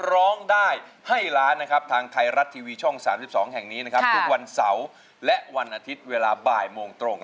ร้องได้ให้ล้านนะครับทางไทยรัฐทีวีช่อง๓๒แห่งนี้นะครับทุกวันเสาร์และวันอาทิตย์เวลาบ่ายโมงตรง